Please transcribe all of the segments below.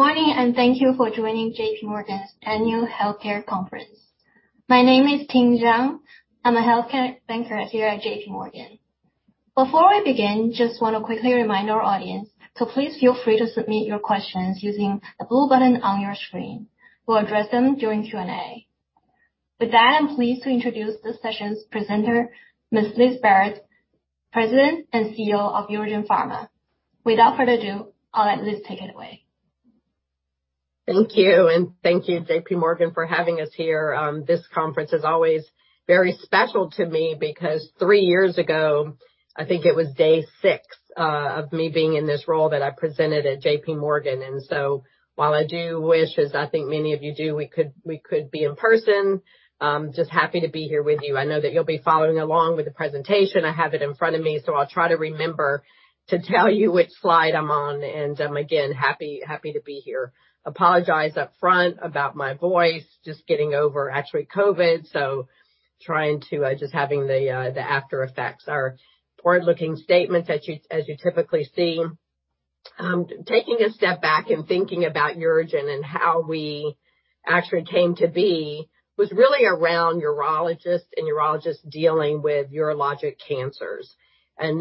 Good morning, and thank you for joining J.P. Morgan's Annual Healthcare Conference. My name is Ling Zhang. I'm a healthcare banker here at J.P. Morgan. Before we begin, just wanna quickly remind our audience to please feel free to submit your questions using the blue button on your screen. We'll address them during Q&A. With that, I'm pleased to introduce this session's presenter, Ms. Liz Barrett, President and CEO of UroGen Pharma. Without further ado, I'll let Liz take it away. Thank you. Thank you, J.P. Morgan, for having us here. This conference is always very special to me because three years ago, I think it was day six of me being in this role that I presented at J.P. Morgan, and so while I do wish, as I think many of you do, we could be in person, just happy to be here with you. I know that you'll be following along with the presentation. I have it in front of me, so I'll try to remember to tell you which slide I'm on. I'm again happy to be here. Apologize upfront about my voice. Just getting over actually COVID, so trying to just having the after effects. Our forward-looking statements as you typically see. Taking a step back and thinking about UroGen and how we actually came to be was really around urologists and urologists dealing with urologic cancers. You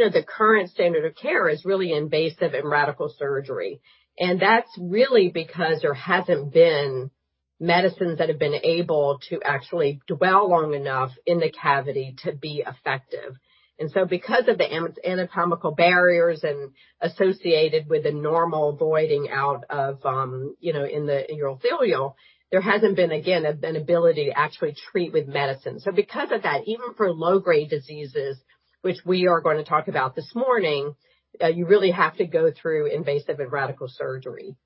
know, the current standard of care is really invasive and radical surgery. That's really because there hasn't been medicines that have been able to actually dwell long enough in the cavity to be effective. Because of the anatomical barriers and associated with the normal voiding out of, you know, in the urothelial, there hasn't been, again, an ability to actually treat with medicine. Because of that, even for low-grade diseases, which we are gonna talk about this morning, you really have to go through invasive and radical surgery.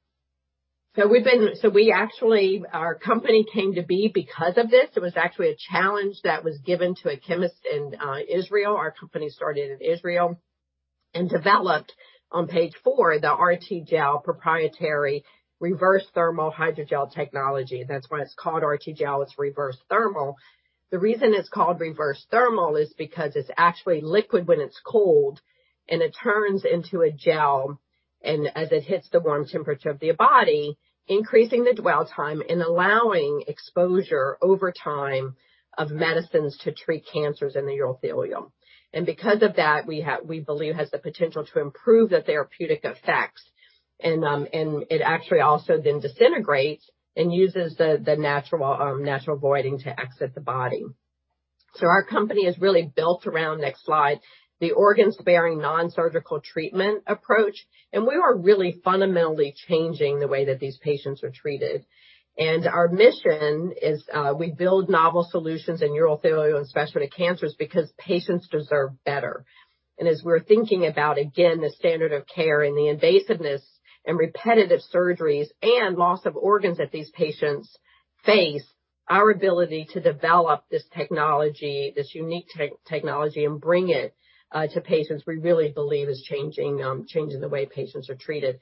We actually, our company came to be because of this. It was actually a challenge that was given to a chemist in Israel. Our company started in Israel and developed, on page four, the RTGel proprietary reverse thermal hydrogel technology. That's why it's called RTGel, it's reverse thermal. The reason it's called reverse thermal is because it's actually liquid when it's cold and it turns into a gel, and as it hits the warm temperature of the body, increasing the dwell time and allowing exposure over time of medicines to treat cancers in the urothelial. Because of that, we believe has the potential to improve the therapeutic effects. It actually also then disintegrates and uses the natural voiding to exit the body. Our company is really built around, next slide, the organ-sparing non-surgical treatment approach, and we are really fundamentally changing the way that these patients are treated. Our mission is we build novel solutions in urothelial and specialty cancers because patients deserve better. As we're thinking about, again, the standard of care and the invasiveness and repetitive surgeries and loss of organs that these patients face, our ability to develop this technology, this unique technology and bring it to patients, we really believe is changing the way patients are treated.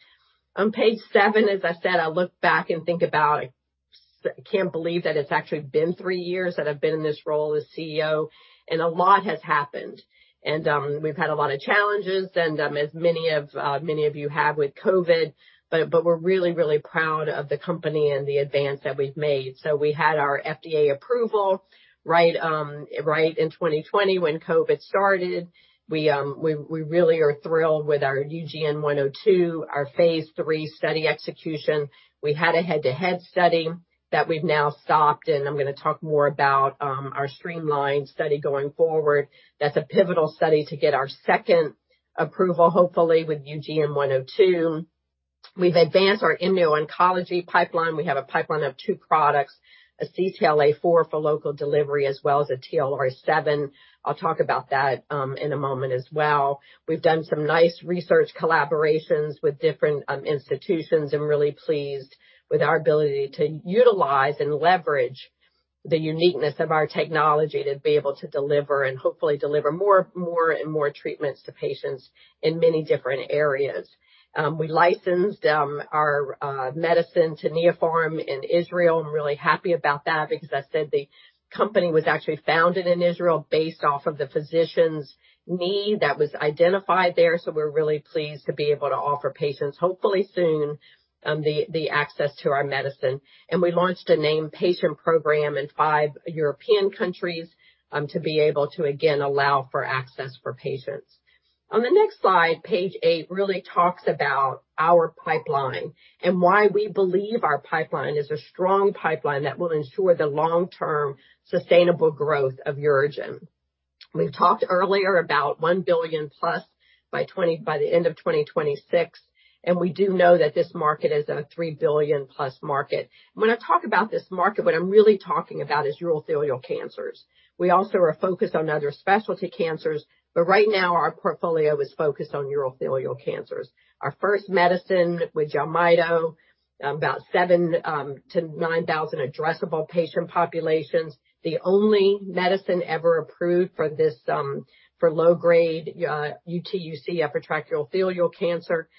On page seven, as I said, I look back and think about it. Can't believe that it's actually been three years that I've been in this role as Chief Executive Officer and a lot has happened. We've had a lot of challenges and, as many of you have with COVID, but we're really proud of the company and the advance that we've made. We had our FDA approval right in 2020 when COVID started. We really are thrilled with our UGN-102, our phase III study execution. We had a head-to-head study that we've now stopped, and I'm gonna talk more about our streamlined study going forward. That's a pivotal study to get our second approval, hopefully, with UGN-102. We've advanced our immuno-oncology pipeline. We have a pipeline of two products, a CTLA-4 for local delivery as well as a TLR7. I'll talk about that in a moment as well. We've done some nice research collaborations with different institutions and really pleased with our ability to utilize and leverage the uniqueness of our technology to be able to deliver and hopefully deliver more and more treatments to patients in many different areas. We licensed our medicine to Neopharm in Israel. I'm really happy about that because as I said the company was actually founded in Israel based off of the physician's need that was identified there. We're really pleased to be able to offer patients, hopefully soon, the access to our medicine. We launched a named patient program in five European countries, to be able to again allow for access for patients. On the next slide, page eight really talks about our pipeline and why we believe our pipeline is a strong pipeline that will ensure the long-term sustainable growth of UroGen. We've talked earlier about $1 billion+ by the end of 2026, and we do know that this market is a $3 billion+ market. When I talk about this market, what I'm really talking about is urothelial cancers. We also are focused on other specialty cancers, but right now our portfolio is focused on urothelial cancers. Our first medicine, JELMYTO, about 7-9 thousand addressable patient populations. The only medicine ever approved for this, for low-grade UTUC upper tract urothelial cancer.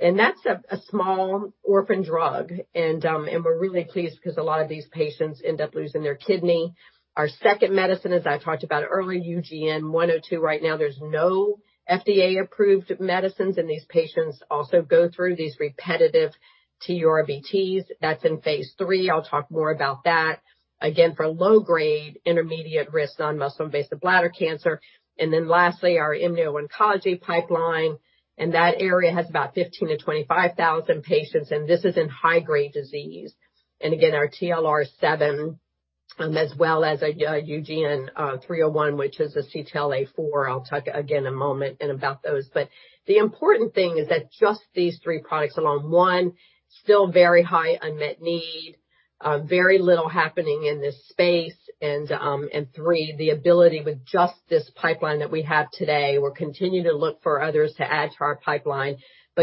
That's a small orphan drug. We're really pleased because a lot of these patients end up losing their kidney. Our second medicine, as I talked about earlier, UGN-102. Right now, there's no FDA-approved medicines, and these patients also go through these repetitive TURBTs. That's in phase III. I'll talk more about that. Again, for low-grade, intermediate-risk non-muscle invasive bladder cancer. Then lastly, our immuno-oncology pipeline, and that area has about 15,000-25,000 patients, and this is in high-grade disease. Our TLR7, as well as UGN-301, which is a CTLA-4. I'll talk in a moment about those. The important thing is that just these three products alone, one, still very high unmet need, very little happening in this space, and three, the ability with just this pipeline that we have today, we're continuing to look for others to add to our pipeline.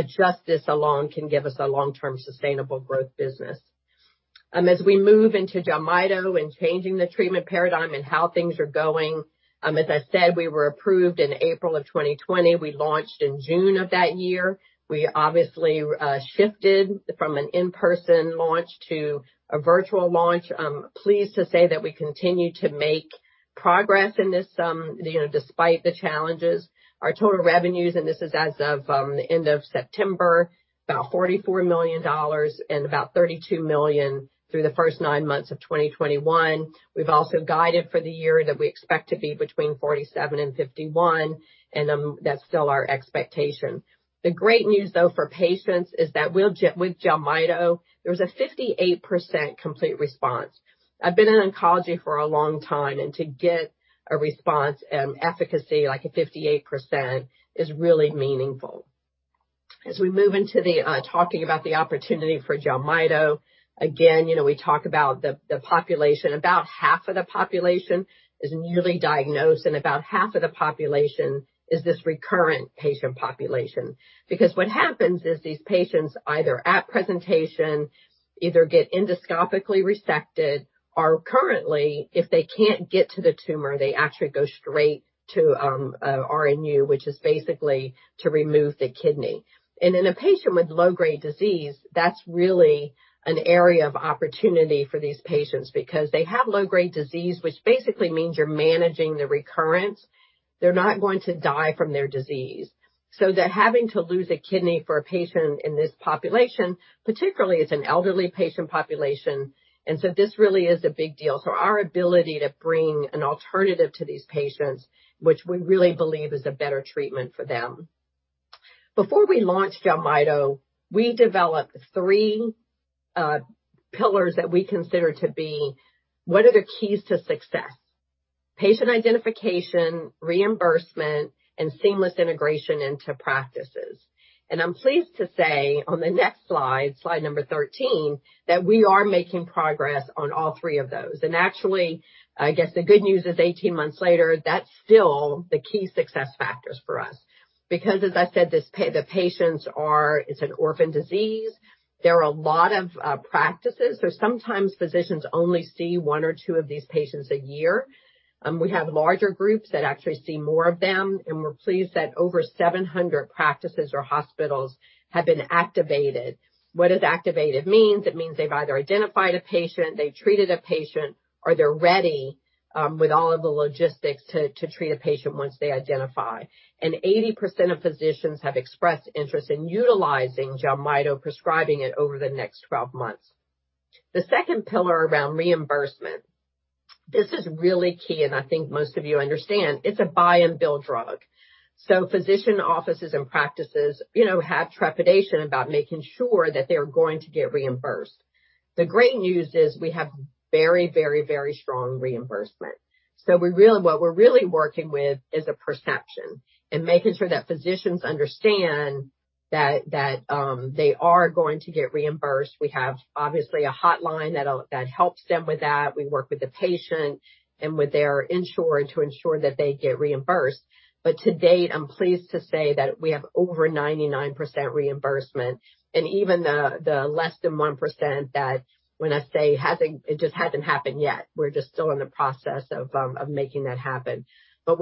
Just this alone can give us a long-term sustainable growth business. As we move into JELMYTO and changing the treatment paradigm and how things are going, as I said, we were approved in April 2020. We launched in June of that year. We obviously shifted from an in-person launch to a virtual launch. I'm pleased to say that we continue to make progress in this, you know, despite the challenges. Our total revenues, and this is as of the end of September, about $44 million and about $32 million through the first nine months of 2021. We've also guided for the year that we expect to be between $47-$51 million, and that's still our expectation. The great news, though, for patients is that with JELMYTO, there's a 58% complete response. I've been in oncology for a long time, and to get a response efficacy like a 58% is really meaningful. As we move into talking about the opportunity for JELMYTO, again, you know, we talk about the population. About half of the population is newly diagnosed, and about half of the population is this recurrent patient population. Because what happens is these patients either at presentation get endoscopically resected or currently, if they can't get to the tumor, they actually go straight to RNU, which is basically to remove the kidney. In a patient with low-grade disease, that's really an area of opportunity for these patients because they have low-grade disease, which basically means you're managing the recurrence. They're not going to die from their disease. They're having to lose a kidney for a patient in this population, particularly it's an elderly patient population. This really is a big deal. Our ability to bring an alternative to these patients, which we really believe is a better treatment for them. Before we launched JELMYTO, we developed three pillars that we consider to be what are the keys to success. Patient identification, reimbursement, and seamless integration into practices. I'm pleased to say on the next slide number 13, that we are making progress on all three of those. Actually, I guess, the good news is 18 months later, that's still the key success factors for us. Because as I said, the patients are. It's an orphan disease. There are a lot of practices. So sometimes physicians only see one or two of these patients a year. We have larger groups that actually see more of them, and we're pleased that over 700 practices or hospitals have been activated. What does activated mean? It means they've either identified a patient, they treated a patient, or they're ready with all of the logistics to treat a patient once they identify. And 80% of physicians have expressed interest in utilizing JELMYTO, prescribing it over the next 12 months. The second pillar around reimbursement. This is really key, and I think most of you understand it's a buy-and-bill drug. Physician offices and practices, you know, have trepidation about making sure that they're going to get reimbursed. The great news is we have very, very, very strong reimbursement. What we're really working with is a perception and making sure that physicians understand that they are going to get reimbursed. We have, obviously, a hotline that helps them with that. We work with the patient and with their insurer to ensure that they get reimbursed. To date, I'm pleased to say that we have over 99% reimbursement and even the less than 1% that, when I say, hasn't. It just hasn't happened yet. We're just still in the process of making that happen. We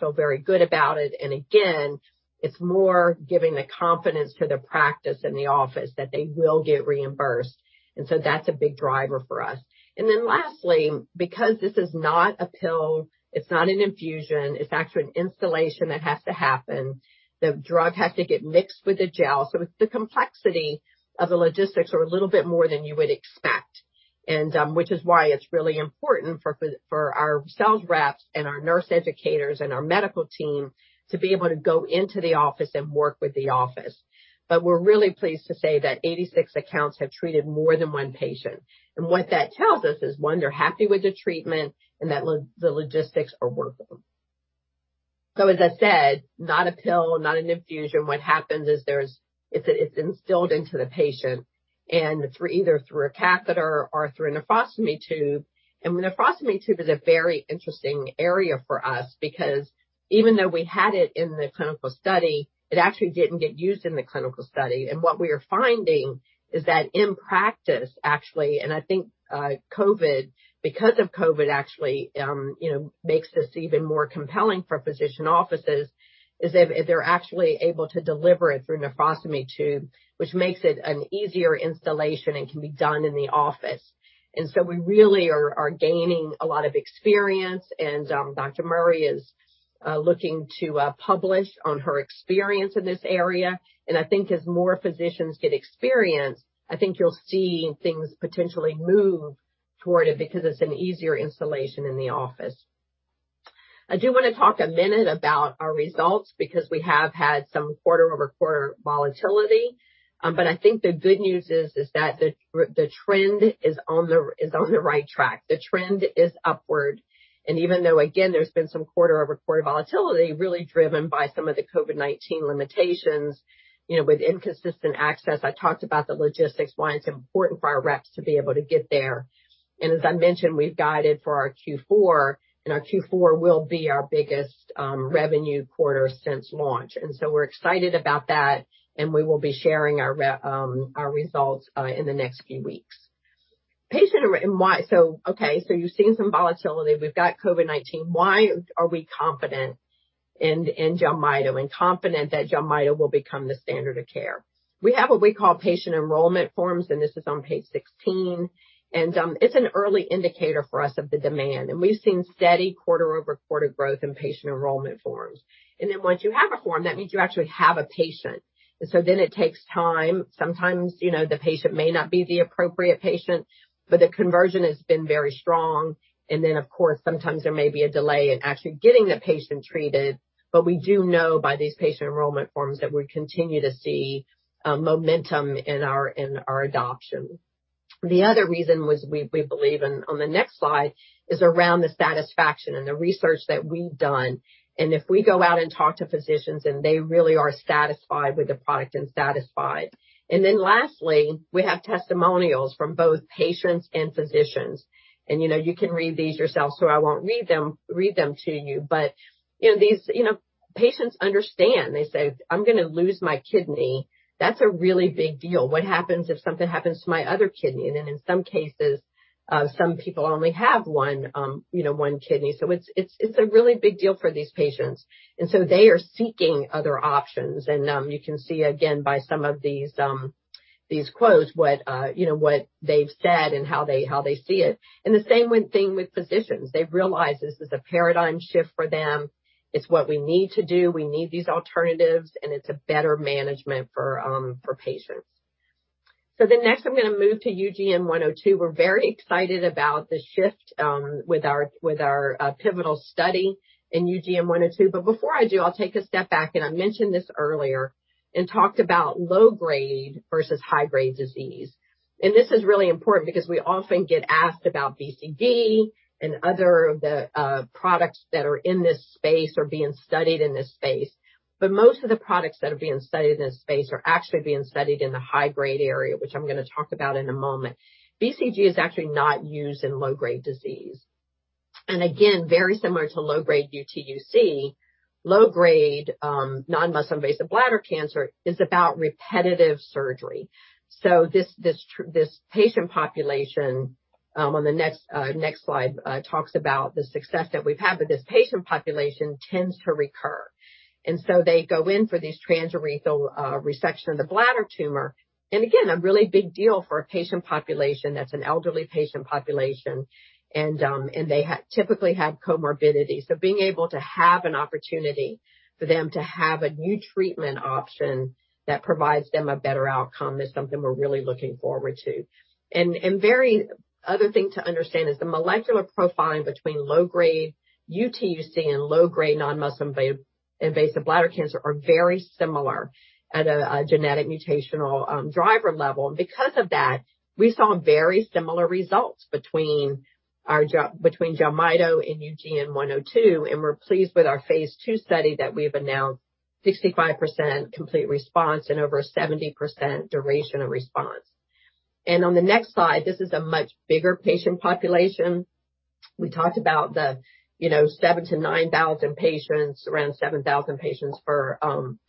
feel very good about it. Again, it's more giving the confidence to the practice and the office that they will get reimbursed. That's a big driver for us. Lastly, because this is not a pill, it's not an infusion, it's actually an instillation that has to happen. The drug has to get mixed with the gel. It's the complexity of the logistics are a little bit more than you would expect. Which is why it's really important for our sales reps and our nurse educators and our medical team to be able to go into the office and work with the office. We're really pleased to say that 86 accounts have treated more than one patient. What that tells us is, one, they're happy with the treatment and that the logistics are workable. As I said, not a pill, not an infusion. What happens is It's instilled into the patient and through a catheter or through a nephrostomy tube. Nephrostomy tube is a very interesting area for us because even though we had it in the clinical study, it actually didn't get used in the clinical study. What we are finding is that in practice, actually, and I think, COVID, because of COVID, actually, you know, makes this even more compelling for physician offices, is they're actually able to deliver it through nephrostomy tube, which makes it an easier installation and can be done in the office. We really are gaining a lot of experience, and Dr. Murray is looking to publish on her experience in this area. I think as more physicians get experience, I think you'll see things potentially move toward it because it's an easier installation in the office. I do want to talk a minute about our results because we have had some quarter-over-quarter volatility. I think the good news is that the trend is on the right track. The trend is upward. Even though, again, there's been some quarter-over-quarter volatility really driven by some of the COVID-19 limitations, you know, with inconsistent access. I talked about the logistics, why it's important for our reps to be able to get there. As I mentioned, we've guided for our Q4, and our Q4 will be our biggest revenue quarter since launch. We're excited about that, and we will be sharing our results in the next few weeks. You've seen some volatility. We've got COVID-19. Why are we confident in JELMYTO and confident that JELMYTO will become the standard of care? We have what we call patient enrollment forms, and this is on page 16. It's an early indicator for us of the demand. We've seen steady quarter-over-quarter growth in patient enrollment forms. Then once you have a form, that means you actually have a patient. It takes time. Sometimes, you know, the patient may not be the appropriate patient, but the conversion has been very strong. Of course, sometimes there may be a delay in actually getting the patient treated. We do know by these patient enrollment forms that we continue to see momentum in our adoption. The other reason was we believe, and on the next slide, is around the satisfaction and the research that we've done. If we go out and talk to physicians and they really are satisfied with the product. And then lastly, we have testimonials from both patients and physicians. You know, you can read these yourselves, so I won't read them to you. You know, these, you know, patients understand. They say, "I'm gonna lose my kidney. That's a really big deal, "What happens if something happens to my other kidney?" In some cases, some people only have one kidney. So it's a really big deal for these patients. They are seeking other options. You can see again by some of these quotes, what you know what they've said and how they see it. The same thing with physicians. They've realized this is a paradigm shift for them. It's what we need to do. We need these alternatives, and it's a better management for patients. Next I'm gonna move to UGN-102. We're very excited about the shift with our pivotal study in UGN-102. But before I do, I'll take a step back, and I mentioned this earlier and talked about low-grade versus high-grade disease. This is really important because we often get asked about BCG and other of the products that are in this space or being studied in this space. Most of the products that are being studied in this space are actually being studied in the high-grade area, which I'm gonna talk about in a moment. BCG is actually not used in low-grade disease. Again, very similar to low-grade UTUC, low-grade non-muscle invasive bladder cancer is about repetitive surgery. This patient population on the next slide talks about the success that we've had, but this patient population tends to recur. They go in for these transurethral resection of the bladder tumor. Again, a really big deal for a patient population that's an elderly patient population. They typically have comorbidity. Being able to have an opportunity for them to have a new treatment option that provides them a better outcome is something we're really looking forward to. Another thing to understand is the molecular profiling between low-grade UTUC and low-grade non-muscle invasive bladder cancer are very similar at a genetic mutational driver level. Because of that, we saw very similar results between our JELMYTO and UGN-102, and we're pleased with our phase II study that we've announced 65% complete response and over 70% duration of response. On the next slide, this is a much bigger patient population. We talked about the, you know, 7,000-9,000 patients, around 7,000 patients for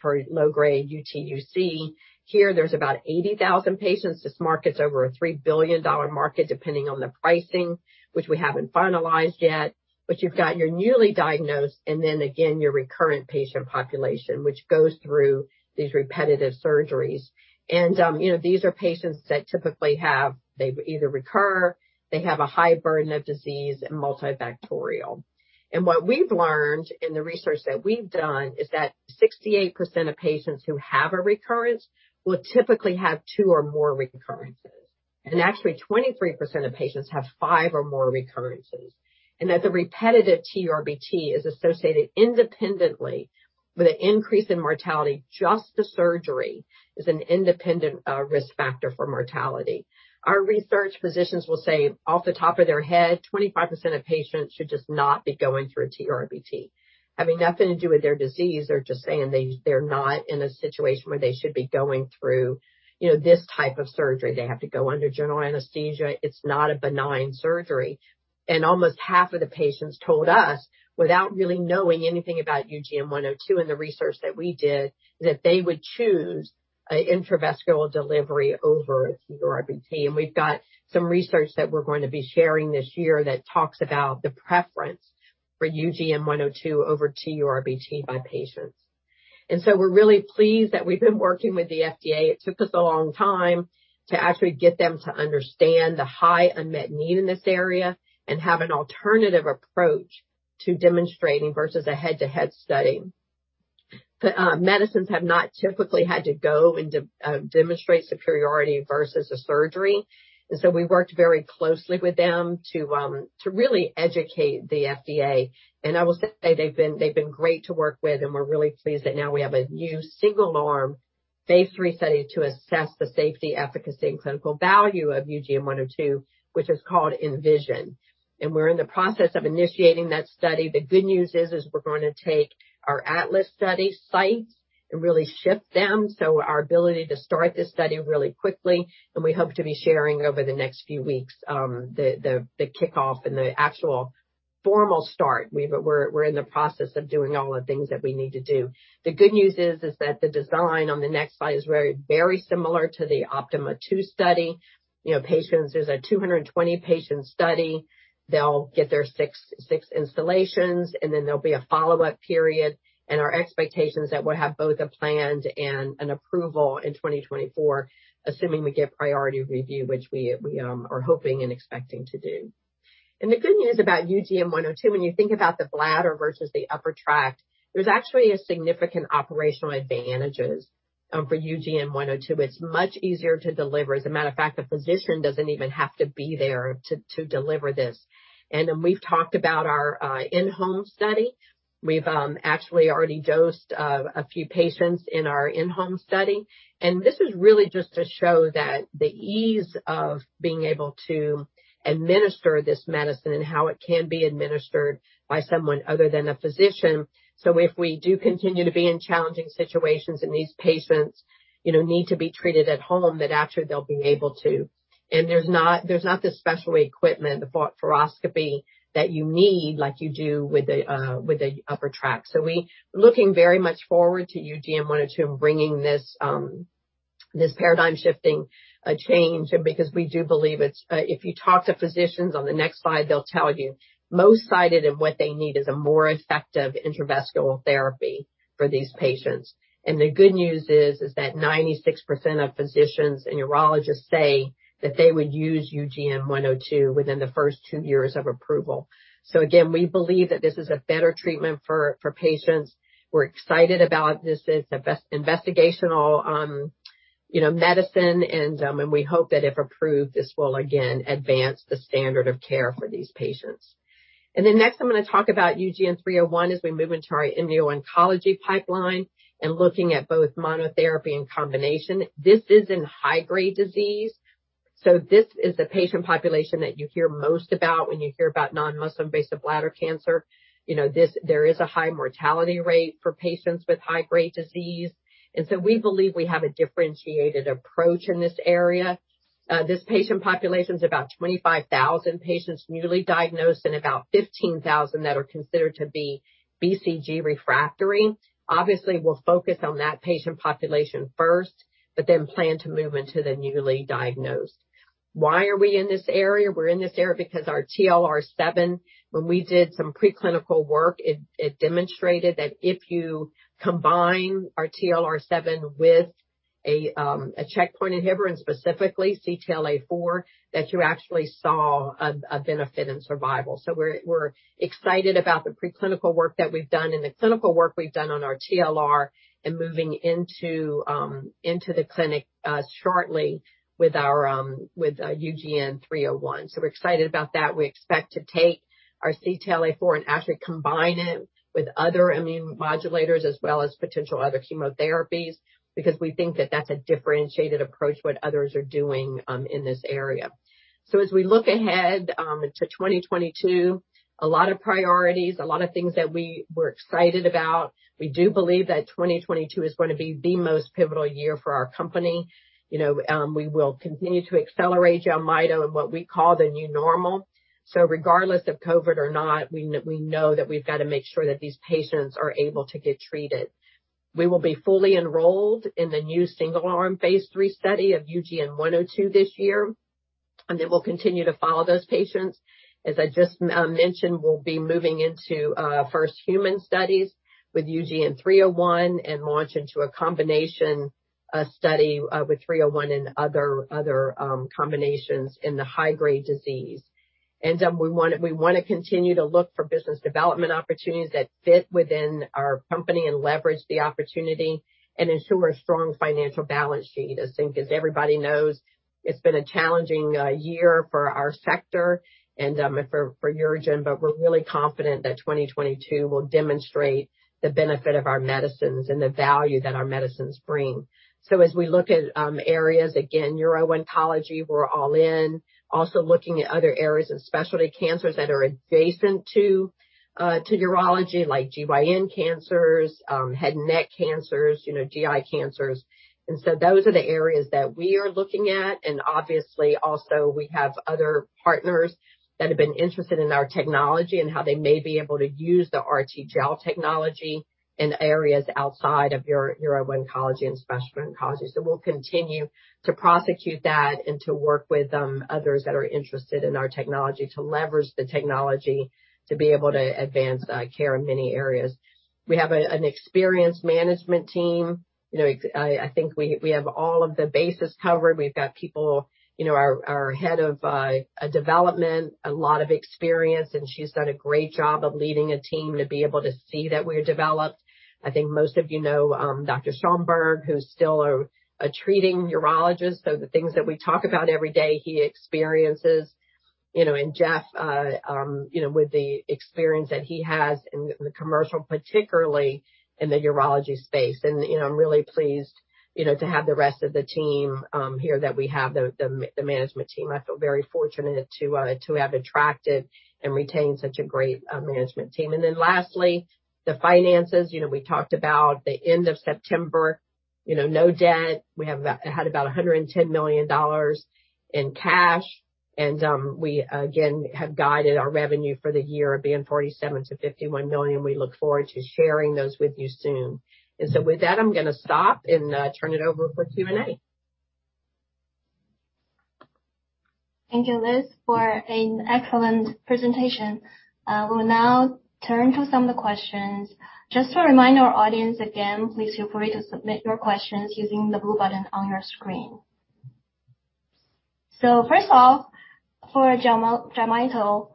low-grade UTUC. Here there's about 80,000 patients. This market's over a $3 billion market, depending on the pricing, which we haven't finalized yet. You've got your newly diagnosed and then again, your recurrent patient population, which goes through these repetitive surgeries. You know, these are patients that typically have they either recur, they have a high burden of disease and multifocal. What we've learned in the research that we've done is that 68% of patients who have a recurrence will typically have two or more recurrences. Actually, 23% of patients have five or more recurrences. The repetitive TURBT is associated independently with an increase in mortality. Just the surgery is an independent risk factor for mortality. Our research physicians will say, off the top of their head, 25% of patients should just not be going through a TURBT. Having nothing to do with their disease. They're just saying they're not in a situation where they should be going through, you know, this type of surgery. They have to go under general anesthesia. It's not a benign surgery. Almost half of the patients told us, without really knowing anything about UGN-102 and the research that we did, that they would choose an intravesical delivery over a TURBT. We've got some research that we're going to be sharing this year that talks about the preference for UGN-102 over TURBT by patients. We're really pleased that we've been working with the FDA. It took us a long time to actually get them to understand the high unmet need in this area and have an alternative approach to demonstrating versus a head-to-head study. The medicines have not typically had to go and demonstrate superiority versus a surgery. We worked very closely with them to really educate the FDA. I will say they've been great to work with, and we're really pleased that now we have a new single-arm phase III study to assess the safety, efficacy, and clinical value of UGN-102, which is called ENVISION. We're in the process of initiating that study. The good news is we're gonna take our ATLAS study sites and really shift them, so our ability to start this study really quickly, and we hope to be sharing over the next few weeks, the kickoff and the actual formal start. We're in the process of doing all the things that we need to do. The good news is that the design on the next slide is very, very similar to the OPTIMA II study. You know, patients, there's a 220-patient study. They'll get their six installations, and then there'll be a follow-up period. Our expectation is that we'll have both a planned and an approval in 2024, assuming we get priority review, which we are hoping and expecting to do. The good news about UGN-102, when you think about the bladder versus the upper tract, there's actually a significant operational advantages for UGN-102. It's much easier to deliver. As a matter of fact, the physician doesn't even have to be there to deliver this. Then we've talked about our in-home study. We've actually already dosed a few patients in our in-home study, and this is really just to show that the ease of being able to administer this medicine and how it can be administered by someone other than a physician. If we do continue to be in challenging situations and these patients, you know, need to be treated at home, that actually they'll be able to. There's not this special equipment, the cystoscopy that you need, like you do with a upper tract. We're looking very much forward to UGN-102 bringing this paradigm-shifting change, and because we do believe it's. If you talk to physicians on the next slide, they'll tell you most cited in what they need is a more effective intravesical therapy for these patients. The good news is that 96% of physicians and urologists say that they would use UGN-102 within the first two years of approval. Again, we believe that this is a better treatment for patients. We're excited about this as investigational, you know, medicine and we hope that if approved, this will again advance the standard of care for these patients. Next, I'm gonna talk about UGN-301 as we move into our uro-oncology pipeline and looking at both monotherapy and combination. This is in high-grade disease, so this is the patient population that you hear most about when you hear about non-muscle invasive bladder cancer. You know, there is a high mortality rate for patients with high-grade disease, and so we believe we have a differentiated approach in this area. This patient population is about 25,000 patients newly diagnosed and about 15,000 that are considered to be BCG refractory. Obviously, we'll focus on that patient population first, but then plan to move into the newly diagnosed. Why are we in this area? We're in this area because our TLR7, when we did some preclinical work, it demonstrated that if you combine our TLR7 with a checkpoint inhibitor and specifically CTLA-4, that you actually saw a benefit in survival. We're excited about the preclinical work that we've done and the clinical work we've done on our TLR and moving into the clinic shortly with our UGN-301. We're excited about that. We expect to take our CTLA-4 and actually combine it with other immune modulators as well as potential other chemotherapies, because we think that that's a differentiated approach, what others are doing in this area. As we look ahead to 2022, a lot of priorities, a lot of things that we're excited about. We do believe that 2022 is gonna be the most pivotal year for our company. We will continue to accelerate JELMYTO and what we call the new normal. Regardless of COVID or not, we know that we've got to make sure that these patients are able to get treated. We will be fully enrolled in the new single-arm phase III study of UGN-102 this year, and then we'll continue to follow those patients. As I just mentioned, we'll be moving into first human studies with UGN-301 and launch into a combination study with 301 and other combinations in the high-grade disease. We wanna continue to look for business development opportunities that fit within our company and leverage the opportunity and ensure a strong financial balance sheet. As everybody knows, it's been a challenging year for our sector and for UroGen, but we're really confident that 2022 will demonstrate the benefit of our medicines and the value that our medicines bring. As we look at areas, again, uro-oncology, we're all in. Also looking at other areas of specialty cancers that are adjacent to urology, like Gynecologic cancers, head and neck cancers, you know, GI cancers. Those are the areas that we are looking at. Obviously also we have other partners that have been interested in our technology and how they may be able to use the RTGel technology in areas outside of uro-oncology and specialty oncology. We'll continue to prosecute that and to work with others that are interested in our technology to leverage the technology to be able to advance care in many areas. We have an experienced management team. I think we have all of the bases covered. We've got people, our head of development, a lot of experience, and she's done a great job of leading a team to be able to see that we're developed. I think most of you know Dr. Mark Schoenberg, who's still a treating urologist, so the things that we talk about every day, he experiences. Jeff, with the experience that he has in the commercial, particularly in the urology space. You know, I'm really pleased, you know, to have the rest of the team here that we have the management team. I feel very fortunate to have attracted and retained such a great management team. Lastly, the finances. You know, we talked about the end of September, you know, no debt. We had about $110 million in cash. We again have guided our revenue for the year being $47 million-$51 million. We look forward to sharing those with you soon. With that, I'm gonna stop and turn it over for Q&A. Thank you, Liz, for an excellent presentation. We'll now turn to some of the questions. Just to remind our audience again, please feel free to submit your questions using the blue button on your screen. First of all, for JELMYTO,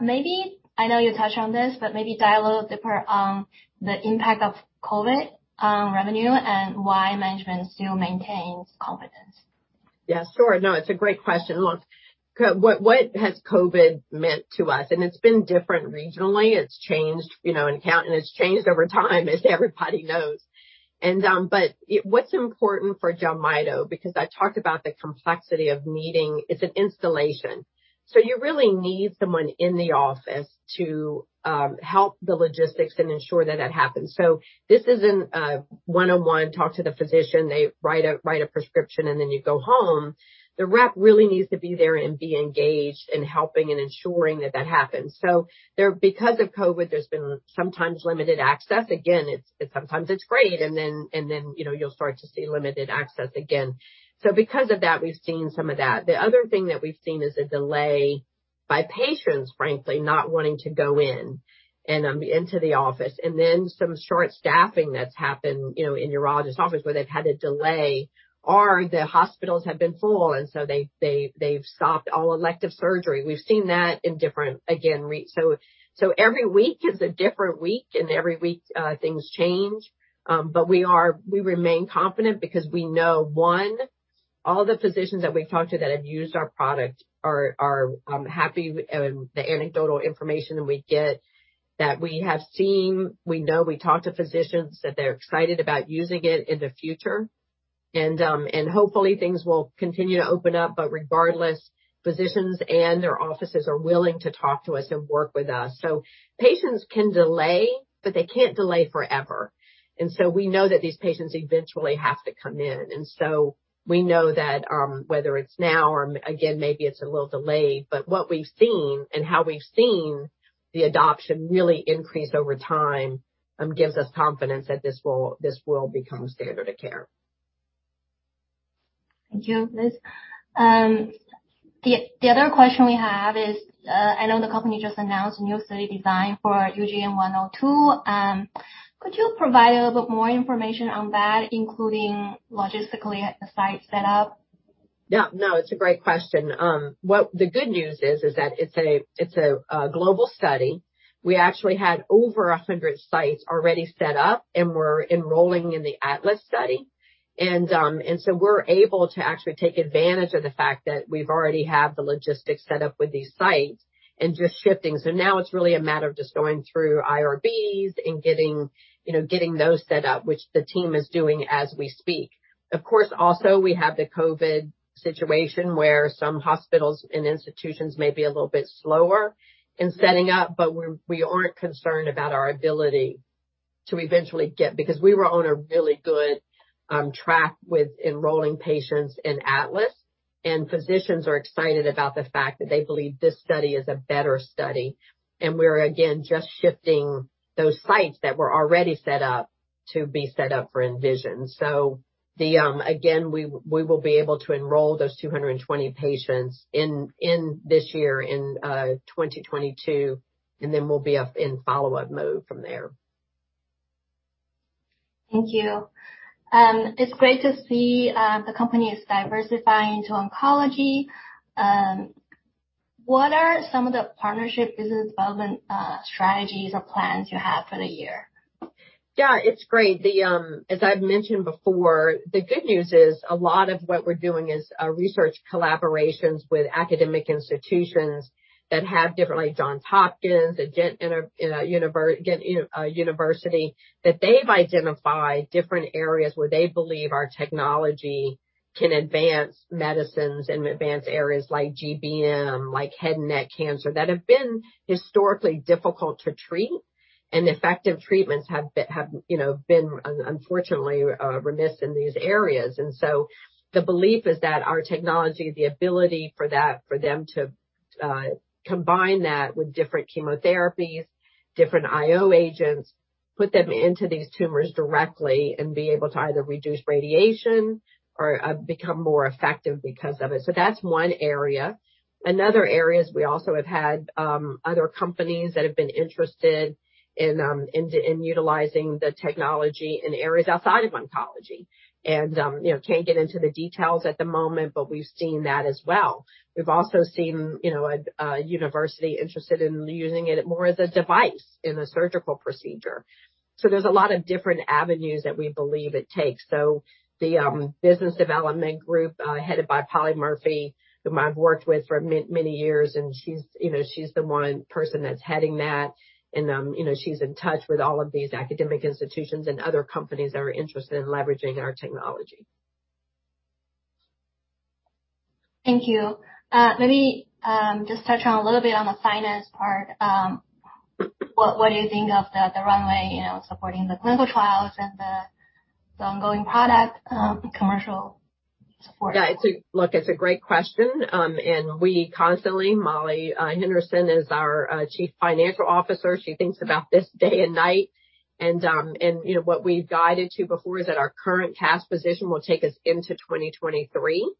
maybe, you know, you touched on this, but maybe dive a little deeper on the impact of COVID on revenue and why management still maintains confidence. Yeah, sure. No, it's a great question. Look, what has COVID meant to us? It's been different regionally. It's changed, you know, and it's changed over time, as everybody knows. But what's important for JELMYTO, because I talked about the complexity of needing. It's an installation, so you really need someone in the office to help the logistics and ensure that that happens. This isn't a one-on-one talk to the physician. They write a prescription, and then you go home. The rep really needs to be there and be engaged in helping and ensuring that that happens. Because of COVID, there's been sometimes limited access. Again, it's sometimes great, and then, you know, you'll start to see limited access again. Because of that, we've seen some of that. The other thing that we've seen is a delay by patients, frankly, not wanting to go in and into the office, and then some short staffing that's happened, you know, in urologist office where they've had a delay or the hospitals have been full, and so they've stopped all elective surgery. We've seen that. Every week is a different week and every week things change. We remain confident because we know one, all the physicians that we've talked to that have used our product are happy. The anecdotal information that we get that we have seen we know we talk to physicians that they're excited about using it in the future. Hopefully things will continue to open up. Regardless, physicians and their offices are willing to talk to us and work with us. Patients can delay, but they can't delay forever. We know that these patients eventually have to come in. We know that, whether it's now or, again, maybe it's a little delayed, but what we've seen and how we've seen the adoption really increase over time, gives us confidence that this will become standard of care. Thank you, Liz. The other question we have is, I know the company just announced a new study design for UGN-102. Could you provide a little bit more information on that, including logistically the site setup? Yeah, no, it's a great question. What the good news is that it's a global study. We actually had over 100 sites already set up and were enrolling in the ATLAS study. We're able to actually take advantage of the fact that we've already had the logistics set up with these sites and just shifting. Now it's really a matter of just going through IRBs and getting, you know, those set up, which the team is doing as we speak. Of course, also we have the COVID situation where some hospitals and institutions may be a little bit slower in setting up, but we aren't concerned about our ability to eventually get them set up. Because we were on a really good track with enrolling patients in ATLAS. Physicians are excited about the fact that they believe this study is a better study. We're again just shifting those sites that were already set up to be set up for ENVISION. We will be able to enroll those 220 patients in this year, in 2022, and then we'll be up in follow-up mode from there. Thank you. It's great to see the company is diversifying to oncology. What are some of the partnership business development strategies or plans you have for the year? Yeah, it's great. As I've mentioned before, the good news is a lot of what we're doing is research collaborations with academic institutions that have different, like Johns Hopkins and Georgetown University, that they've identified different areas where they believe our technology can advance medicines and advance areas like GBM, like head and neck cancer that have been historically difficult to treat, and effective treatments have, you know, been, unfortunately, remiss in these areas. The belief is that our technology, the ability for that, for them to, combine that with different chemotherapies, different IO agents, put them into these tumors directly and be able to either reduce radiation or, become more effective because of it. That's one area. Another area is we also have had other companies that have been interested in utilizing the technology in areas outside of oncology. You know, we can't get into the details at the moment, but we've seen that as well. We've also seen you know, a university interested in using it more as a device in a surgical procedure. There's a lot of different avenues that we believe it takes. The business development group headed by Polly Murphy, whom I've worked with for many years, and she's you know, she's the one person that's heading that. You know, she's in touch with all of these academic institutions and other companies that are interested in leveraging our technology. Thank you. Let me just touch on a little bit on the finance part. What do you think of the runway, you know, supporting the clinical trials and the ongoing product commercial support? Yeah, it's a great question. Molly Henderson is our Chief Financial Officer. She thinks about this day and night. You know, what we've guided to before is that our current cash position will take us into 2023.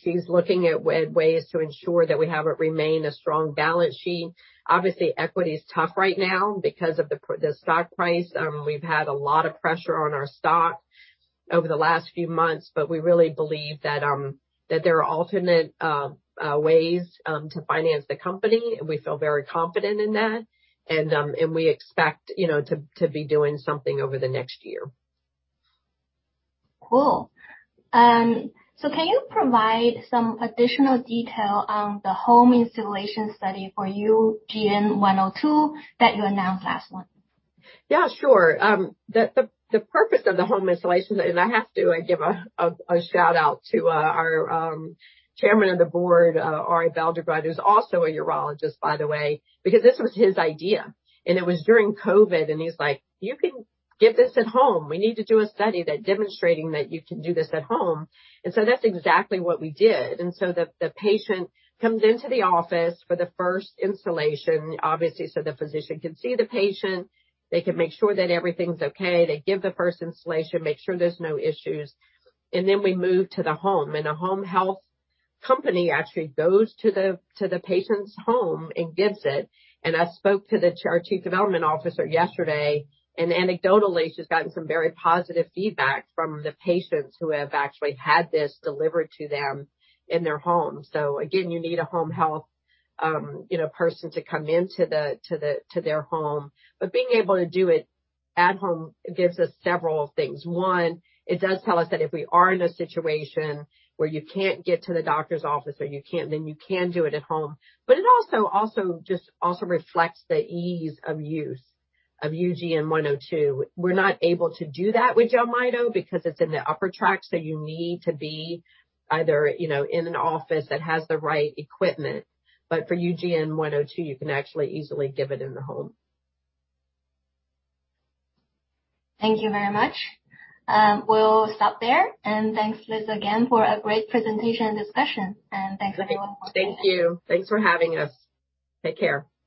She's looking at ways to ensure that we have what remain a strong balance sheet. Obviously, equity is tough right now because of the stock price. We've had a lot of pressure on our stock over the last few months, but we really believe that there are alternate ways to finance the company, and we feel very confident in that. We expect, you know, to be doing something over the next year. Cool. Can you provide some additional detail on the home installation study for UGN-102 that you announced last month? Yeah, sure. The purpose of the home installation, and I have to give a shout-out to our Chairman of the Board, Arie Belldegrun, who's also a urologist, by the way, because this was his idea. It was during COVID, and he's like, "You can give this at home. We need to do a study that demonstrating that you can do this at home." That's exactly what we did. The patient comes into the office for the first installation, obviously, so the physician can see the patient, they can make sure that everything's okay. They give the first installation, make sure there's no issues. We move to the home. A home health company actually goes to the patient's home and gives it. I spoke to our chief development officer yesterday, and anecdotally, she's gotten some very positive feedback from the patients who have actually had this delivered to them in their home. Again, you need a home health, you know, person to come into their home. Being able to do it at home gives us several things. One, it does tell us that if we are in a situation where you can't get to the doctor's office or you can't, then you can do it at home. It also just reflects the ease of use of UGN-102. We're not able to do that with JELMYTO because it's in the upper tract, so you need to be either, you know, in an office that has the right equipment. For UGN-102, you can actually easily give it in the home. Thank you very much. We'll stop there. Thanks, Liz, again for a great presentation and discussion. Thanks everyone for joining. Thank you. Thanks for having us. Take care.